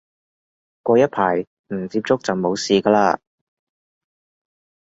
過一排唔接觸就冇事嘅喇